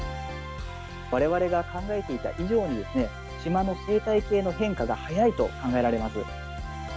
われわれが考えていた以上に、島の生態系の変化が早いと考えられます。